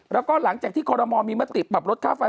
แล้วก็หลังจากที่คอรมอลมีมติปรับลดค่าไฟ